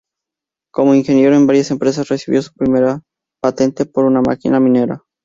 Como ingeniero en varias empresas, recibió su primera patente por una máquina minera.